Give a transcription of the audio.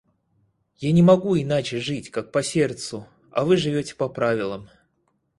Я не могу иначе жить, как по сердцу, а вы живете по правилам.